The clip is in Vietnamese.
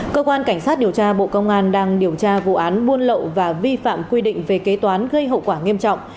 cơ quan cảnh sát điều tra bộ công an đang điều tra vụ án buôn lậu và vi phạm quy định về kế toán gây hậu quả nghiêm trọng